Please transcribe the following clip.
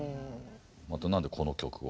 また何でこの曲を？